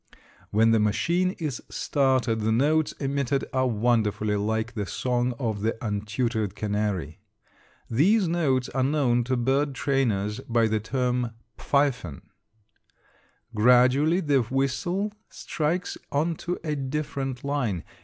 When the machine is started the notes emitted are wonderfully like the song of the untutored canary. These notes are known to bird trainers by the term pfeiffen. Gradually the whistle strikes onto a different line.